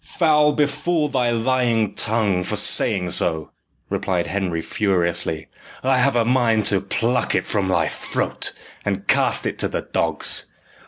"Foul befall thy lying tongue for saying so!" replied Henry furiously. "I have a mind to pluck it from thy throat, and cast it to the dogs.